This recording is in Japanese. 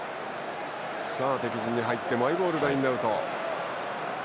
敵陣に入ってマイボールラインアウト。